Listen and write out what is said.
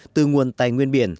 từ nguồn tài nguyên biển